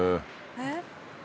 えっ？